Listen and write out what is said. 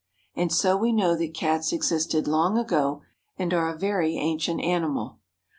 And so we know that Cats existed long ago and are a very ancient animal.